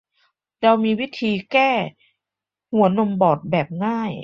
เรามีวิธีแก้หัวนมบอดแบบง่าย